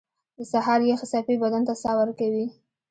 • د سهار یخې څپې بدن ته ساه ورکوي.